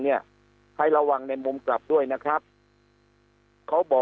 เนี้ยให้ระวังในมุมกลับด้วยนะครับ